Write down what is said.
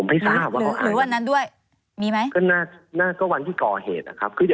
อ่านของสายันวันสุดท้ายวันไหนคะ